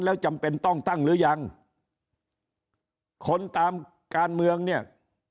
แล้วจำเป็นต้องตั้งหรือยังคนตามการเมืองเนี่ย